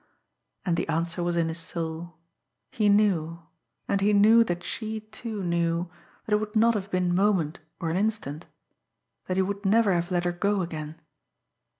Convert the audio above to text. And the answer was in his soul. He knew, and he, knew that she, too, knew, that it would not have been moment or an instant that he would never have let her go again.